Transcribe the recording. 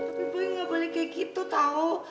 tapi boy gak boleh kayak gitu tau